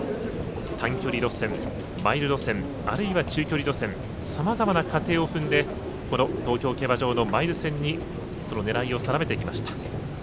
短距離路線、マイル路線あるいは中距離路線さまざまな過程を踏んでこの東京競馬場のマイル戦にその狙いを定めてきました。